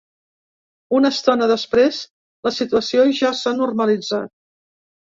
Una estona després, la situació ja s’ha normalitzat.